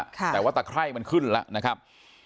แต่ว่าตะไคร่มันขึ้นแล้วนะครับ